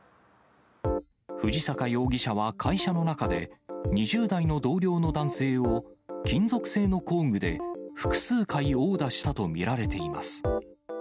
藤坂容疑者は会社の中で、２０代の同僚の男性を、金属製の工具で複数回殴打したと見られています。